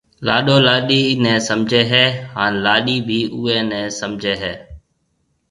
لاڏو لاڏيِ نَي سمجهيََ هيَ هانَ لاڏيِ بي اوئي نَي سمجهيََ هيَ۔